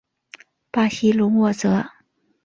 巴西隆沃泽。